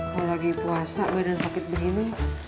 kalau lagi puasa badan sakit begini